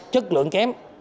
chất lượng kém